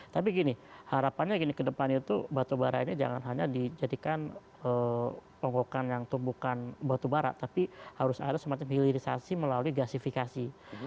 tapi gini harapannya gini ke depan itu batu bara ini jangan hanya dijadikan tongkokan yang tumbukan batu bara tapi harus ada semacam hilirisasi melalui gasifikasi